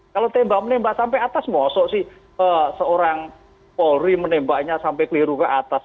kalau tembak menembak sampai atas mosok sih seorang polri menembaknya sampai keliru ke atas